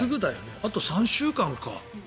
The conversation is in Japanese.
あと３週間か。